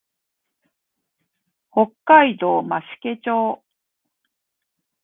北海道増毛町